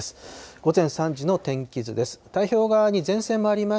午前３時の天気図です。